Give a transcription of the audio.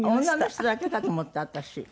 女の人だけかと思った私。